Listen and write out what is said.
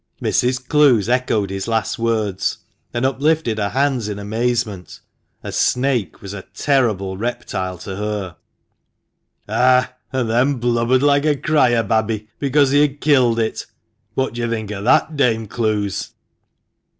Mrs. Clowes echoed his last words, and uplifted her hands in amazement. A snake was a terrible reptile to her. " Ah ! and then blubbered like a cry a babby because he had killed it! What do you think of that, Dame Clowes?"